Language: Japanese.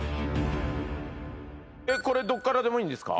これどっからでもいいんですか？